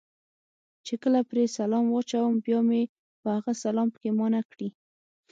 چې کله پرې سلام واچوم، بیا مې په هغه سلام پښېمانه کړي.